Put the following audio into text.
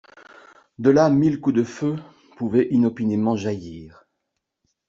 De là mille coups de feu pouvaient inopinément jaillir.